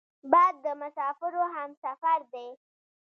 باد د مسافرو همسفر دی